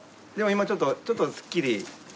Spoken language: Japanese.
でも今ちょっとちょっとスッキリ。